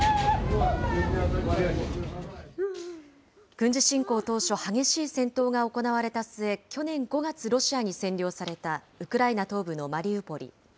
軍事侵攻当初、激しい戦闘が行われた末、去年５月、ロシアに占領されたウクライナ東部のマリウポリ。